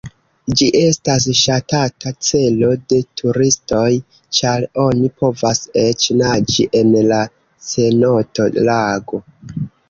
Ĝi estas ŝatata celo de turistoj, ĉar oni povas eĉ naĝi en la cenoto-lago.